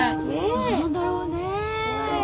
何だろうね？